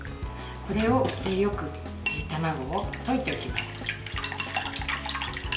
よく卵を溶いておきます。